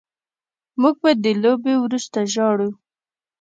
موږ به د لوبې وروسته ژاړو